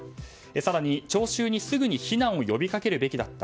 更に、聴衆にすぐに避難を呼びかけるべきだった。